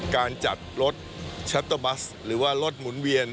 การจัดรถชัตเตอร์บัสหรือว่ารถหมุนเวียน